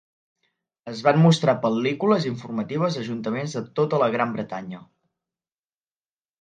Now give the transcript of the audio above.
Es van mostrar pel·lícules informatives a ajuntaments de tota la Gran Bretanya.